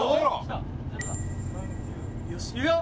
０！いくよ。